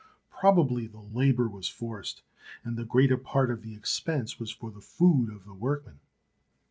Probably the labour was forced, and the greater part of the expense was for the food of the workmen.